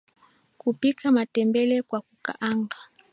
Kupika matembele kwa kukaanga